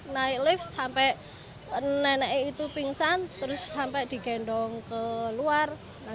naik lift sampai nenek itu pingsan terus sampai digendong ke luar